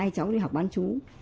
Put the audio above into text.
hai cháu đi học bán chú